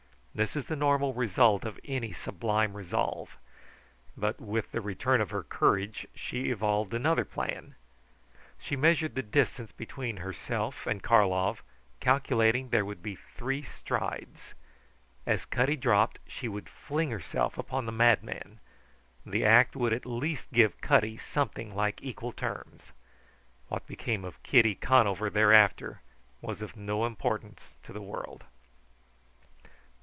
This is the normal result of any sublime resolve. But with the return of her courage she evolved another plan. She measured the distance between herself and Karlov, calculating there would be three strides. As Cutty dropped she would fling herself upon the madman. The act would at least give Cutty something like equal terms. What became of Kitty Conover thereafter was of no importance to the world.